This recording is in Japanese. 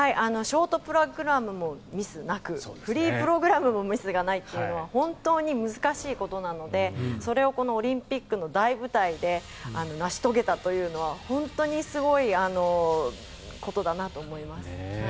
ショートプログラムもミスなくフリープログラムもミスがないというのは本当に難しいことなのでそれをオリンピックの大舞台で成し遂げたというのは本当にすごいことだなと思います。